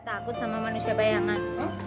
takut sama manusia bayangan